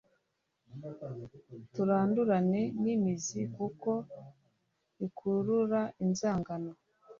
Turandurane n'imizi kuko ikurura inzangano